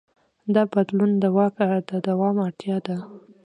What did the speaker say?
دا بدلون د واک د دوام اړتیا ده.